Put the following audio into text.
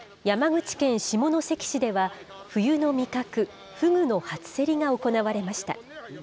山口県下関市では、冬の味覚、フグの初競りが行われました。